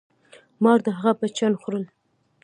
مار د هغه بچیان خوړل.